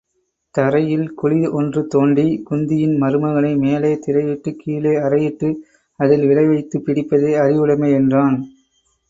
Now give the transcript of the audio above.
தரையில் குழி ஒன்றுதோண்டிக் குந்தியின் மருமகனை மேலே திரையிட்டுக் கீழே அறையிட்டு அதில் விழவைத்துப் பிடிப்பதே அறிவுடமை என்றான்.